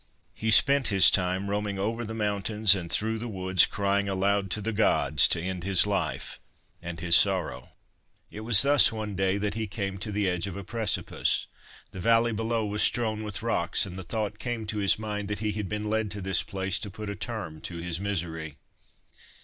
He spent his time roaming over the mountains and through the woods crying aloud to the gods to end his life and his sorrow. It was thus, one day, that he came to the edge of a precipice. The valley below was strewn with rocks, and the thought came to his mind that he had been led to this place to put a term to his misery.